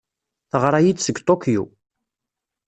Teɣra-iyi-d seg Tokyo.